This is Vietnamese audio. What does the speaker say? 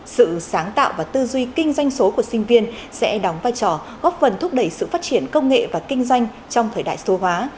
sự sáng tạo và tư duy kinh doanh số của sinh viên sẽ đóng vai trò góp phần thúc đẩy sự phát triển công nghệ và kinh doanh trong thời đại số hóa